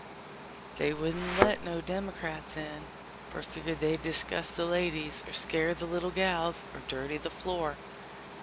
They wouldn't let no Democrats in, for fear they'd disgust the ladies, or scare the little gals, or dirty the floor.